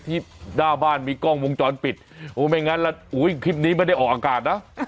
หน้าบ้านมีกล้องวงจรปิดโอ้ไม่งั้นแล้วอุ้ยคลิปนี้ไม่ได้ออกอากาศนะ